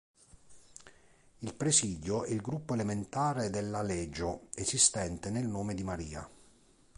Il "Presidio" è il gruppo elementare della "Legio", esistente nel nome di Maria.